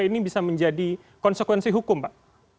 ini bisa menjadi konsekuensi hukum pak